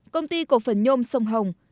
công ty cổ phần nhôm sông hồng